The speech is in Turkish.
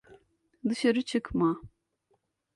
Dışarı çıkma.